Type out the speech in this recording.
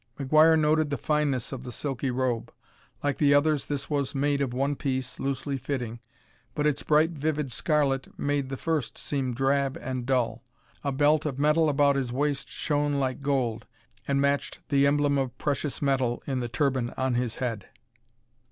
McGuire noted the fineness of the silky robe. Like the others this was made of one piece, loosely fitting, but its bright vivid scarlet made the first seem drab and dull. A belt of metal about his waist shone like gold and matched the emblem of precious metal in the turban on his head.